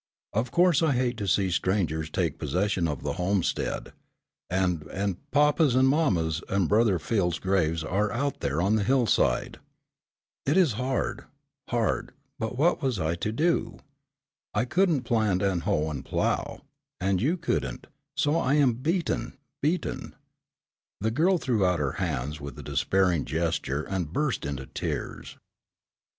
Of course I hate to see strangers take possession of the homestead, and and papa's and mamma's and brother Phil's graves are out there on the hillside. It is hard, hard, but what was I to do? I couldn't plant and hoe and plow, and you couldn't, so I am beaten, beaten." The girl threw out her hands with a despairing gesture and burst into tears.